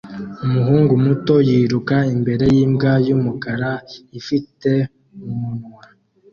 Umuhungu muto yiruka imbere yimbwa yumukara ifite mumunwa